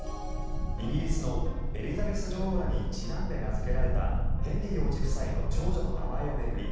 イギリスのエリザベス女王らにちなんで名付けられたヘンリー王子夫妻の長女の名前を巡り